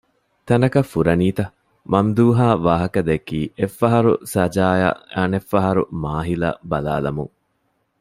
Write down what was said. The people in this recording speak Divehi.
ތަނަކަށް ފުރަނީތަ ؟ މަމްދޫހާ ވާހަކަދެއްކީ އެއްފަހަރު ސަޖާއަށް އަނެއްފަހަރު މާހިލަށް ބަލާލަމުން